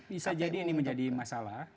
bisa jadi ini menjadi masalah